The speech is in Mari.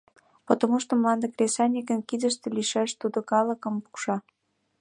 Потомушто мланде кресаньыкын кидыште лийшаш, тудо калыкым пукша.